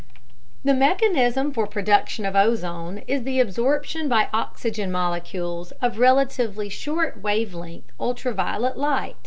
The mechanism for the production of ozone is the absorption by oxygen molecules (O2) of relatively short wavelength ultraviolet light.